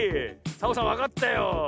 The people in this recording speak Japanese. サボさんわかったよ。